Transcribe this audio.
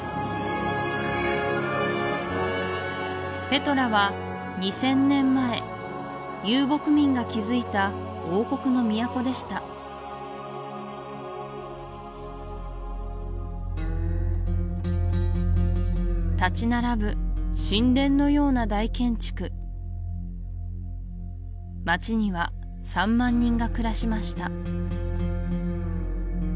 ペトラは２０００年前遊牧民が築いた王国の都でした立ち並ぶ神殿のような大建築町には３万人が暮らしました